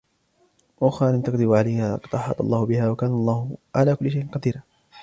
وَأُخْرَى لَمْ تَقْدِرُوا عَلَيْهَا قَدْ أَحَاطَ اللَّهُ بِهَا وَكَانَ اللَّهُ عَلَى كُلِّ شَيْءٍ قَدِيرًا